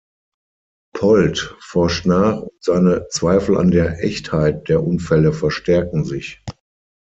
Polt forscht nach und seine Zweifel an der Echtheit der Unfälle verstärken sich.